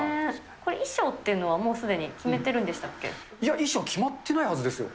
これ、衣装っていうのは、いや、衣装決まってないはずですよ。